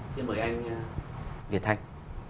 xin mời anh việt thanh